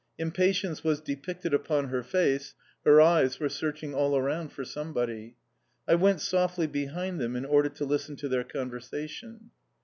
Impatience was depicted upon her face, her eyes were searching all around for somebody. I went softly behind them in order to listen to their conversation.